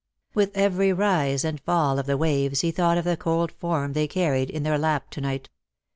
With every rise and fall of the waves he thought of the cold form they carried in their lap to night.